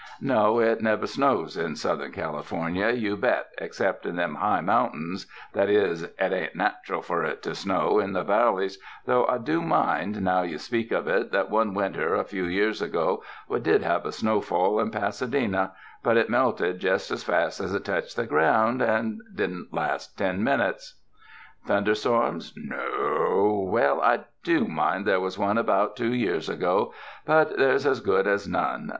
No, it never snows in Southern California you bet, ex cept in them high mountains — that is, it ain't natural fur it to snow in the valleys, though I do mind, now you speak of it, that one winter a few years ago we did have a snowfall in Pasadena, but it melted jest as fast as it touched the ground, and didn't last ten minutes. Thunder storms? No o — well I do mind there was one about two years ago ; but there's as good as none.